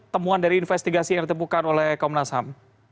temuan dari investigasi yang ditemukan oleh komnas ham